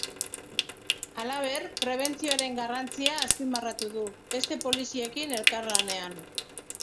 Halaber, prebentzioaren garrantzia azpimarratu du, beste poliziekin elkarlanean.